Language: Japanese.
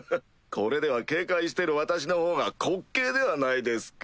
これでは警戒している私のほうが滑稽ではないですか。